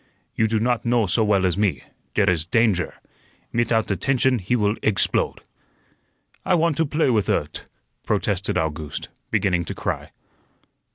"You do not know so well as me; dere is dandger. Mitout attention he will eggsplode." "I want to play with ut," protested August, beginning to cry.